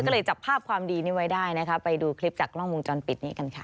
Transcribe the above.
ก็เลยจับภาพความดีนี้ไว้ได้นะคะไปดูคลิปจากกล้องวงจรปิดนี้กันค่ะ